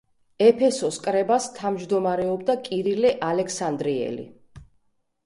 ეფესოს კრებას თავმჯდომარეობდა კირილე ალექსანდრიელი.